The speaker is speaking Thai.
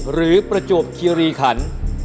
หรือประจวบเครียรีขัน